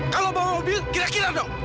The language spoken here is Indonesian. kalau bawa mobil kira kira dong